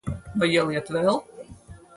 Vai ieliet vēl?